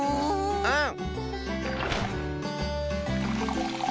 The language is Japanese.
うん。